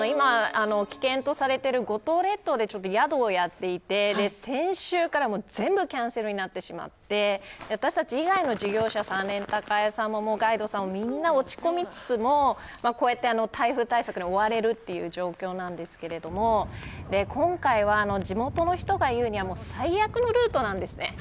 円香さん、九州は実は長崎県の危険とされている五島列島で宿をやっていて先週から全部キャンセルになってしまって私たち以外の事業者さんガイドさんもみんな落ち込みつつもこうやって台風対策に追われるという状況なんですけど今回は地元の人が言うには最悪のルートなんです。